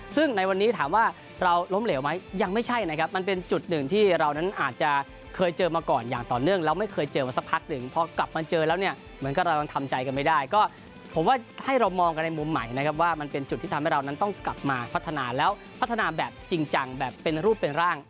ซึ่งในวันนี้ถามว่าเราล้มเหลวไหมยังไม่ใช่นะครับมันเป็นจุดหนึ่งที่เรานั้นอาจจะเคยเจอมาก่อนอย่างต่อเนื่องแล้วไม่เคยเจอมาสักพักหนึ่งพอกลับมาเจอแล้วเนี่ยเหมือนกับเรายังทำใจกันไม่ได้ก็ผมว่าให้เรามองกันในมุมใหม่นะครับว่ามันเป็นจุดที่ทำให้เรานั้นต้องกลับมาพัฒนาแล้วพัฒนาแบบจริงจังแบบเป็นรูปเป็นร่าง